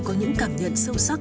có những cảm nhận sâu sắc